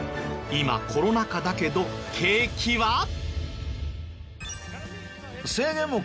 今コロナ禍だけど景気は？